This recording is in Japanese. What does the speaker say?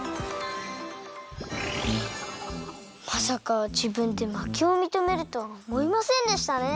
まさかじぶんでまけをみとめるとはおもいませんでしたね。